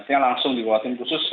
artinya langsung dibawa tim khusus